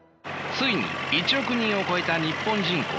ついに１億人を超えた日本人口。